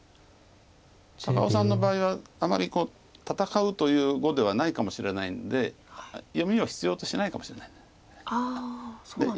高尾さんの場合はあまり戦うという碁ではないかもしれないんで読みを必要としないかもしれない。